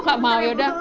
gak mau yaudah